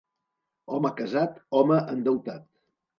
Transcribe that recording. Home casat, home endeutat.